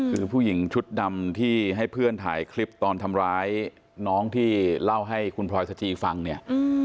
คือผู้หญิงชุดดำที่ให้เพื่อนถ่ายคลิปตอนทำร้ายน้องที่เล่าให้คุณพลอยสจีฟังเนี่ย